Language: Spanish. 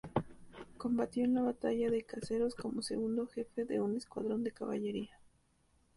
Combatió en la batalla de Caseros como segundo jefe de un escuadrón de caballería.